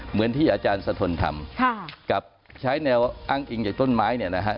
เหมือนที่อาจารย์สะทนทำกับใช้แนวอ้างอิงจากต้นไม้เนี่ยนะฮะ